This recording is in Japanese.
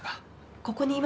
ここにいました。